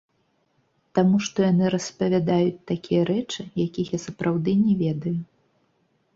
Таму што яны распавядаюць такія рэчы, якіх я сапраўды не ведаю.